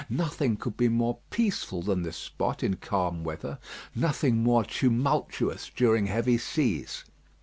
Nothing could be more peaceful than this spot in calm weather; nothing more tumultuous during heavy seas.